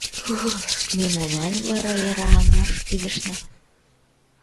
Ме молан вара яра аҥаш ӱдышна?